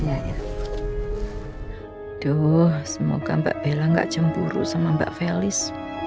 aduh semoga mbak bella gak cemburu sama mbak felis